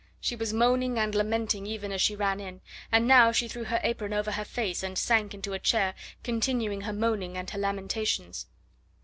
She was moaning and lamenting even as she ran in, and now she threw her apron over her face and sank into a chair, continuing her moaning and her lamentations.